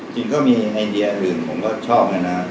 จริงก็มีไอเดียอื่นผมก็ชอบนะ